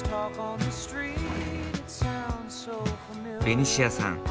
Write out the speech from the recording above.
ベニシアさん